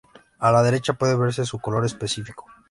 A la derecha puede verse su color específico.